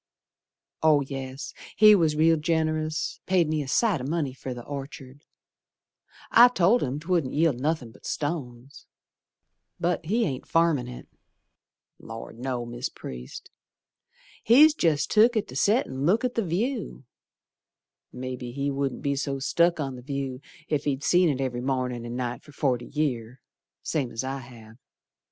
Oh, yes, he was real generous, Paid me a sight o' money fer the Orchard; I told him 'twouldn't yield nothin' but stones, But he ain't farmin' it. Lor', no, Mis' Priest, He's jest took it to set and look at the view. Mebbe he wouldn't be so stuck on the view Ef he'd seed it every mornin' and night for forty year Same's as I have.